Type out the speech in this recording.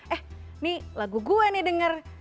eh ini lagu gue nih denger